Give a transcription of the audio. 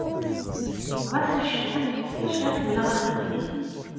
Ɣas fecleɣ, maca kemmleɣ axeddim.